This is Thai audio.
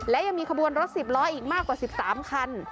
และยังมีขบวนรถสิบล้ออีกมากกว่าสิบสามคัน